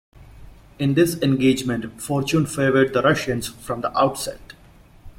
In this engagement, fortune favored the Russians from the outset.